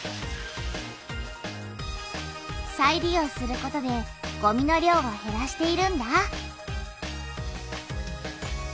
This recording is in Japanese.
再利用することでごみの量をへらしているんだ。